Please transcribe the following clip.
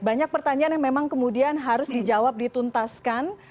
banyak pertanyaan yang memang kemudian harus dijawab dituntaskan